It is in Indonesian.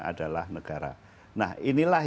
adalah negara nah inilah